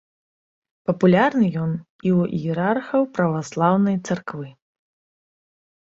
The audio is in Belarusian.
Папулярны ён і ў іерархаў праваслаўнай царквы.